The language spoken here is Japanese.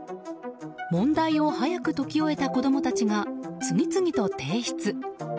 問題を早く解き終えた子供たちが次々と提出。